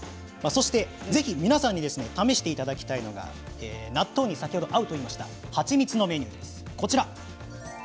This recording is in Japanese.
ぜひ皆さんに試していただきたいのが納豆に先ほど合うといいました蜂蜜のメニューです。